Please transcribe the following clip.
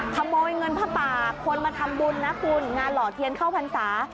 ขโมยเงินผ้าปากคนมาทำบุญนะคุณงานหล่อเทียนเข้าพรรษา